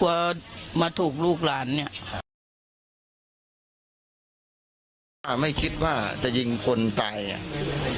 กลัวมาถูกลูกหลานเนี้ยอ่าไม่คิดว่าจะยิงคนตายอ่ะ